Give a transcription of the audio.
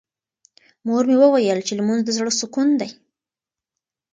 مور مې وویل چې لمونځ د زړه سکون دی.